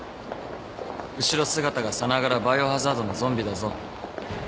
後ろ姿がさながら『バイオハザード』のゾンビだぞ。